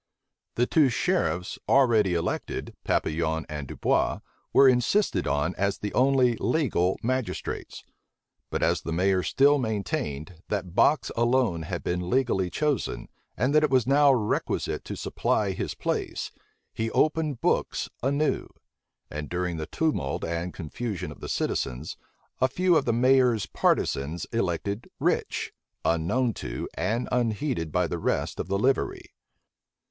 The two sheriffs already elected, Papillon and Dubois, were insisted on as the only legal magistrates. But as the mayor still maintained, that Box alone had been legally chosen, and that it was now requisite to supply his place, he opened books anew; and during the tumult and confusion of the citizens, a few of the mayor's partisans elected Rich, unknown to and unheeded by the rest of the livery.